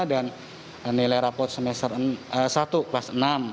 dan nilai rapot semester satu kelas enam